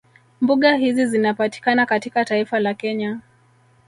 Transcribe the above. Mbuga hizi zinapatikana katika taifa la Kenya